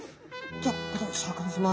じゃあここでシャーク香音さま